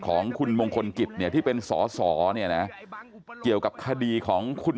ของคุณมงคลกิจเนี่ยที่เป็นสอสอเนี่ยนะเกี่ยวกับคดีของคุณ